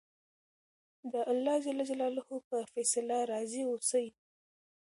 د اللهﷻ په فیصله راضي اوسئ.